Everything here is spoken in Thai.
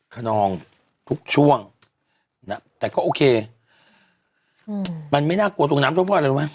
ขนองทุกช่วงเนี่ยแต่ก็โอเคอืมมันไม่น่ากลัวตรงน้ำเท่าไรรู้ไหม